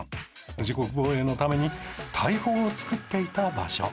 自国防衛のために大砲を作っていた場所。